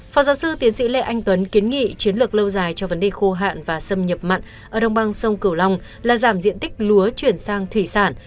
phó giáo sư tiến sĩ lê anh tuấn kiến nghị chiến lược lâu dài cho vấn đề khô hạn và xâm nhập mặn ở đồng bằng sông cửu long là giảm diện tích lúa chuyển sang thủy sản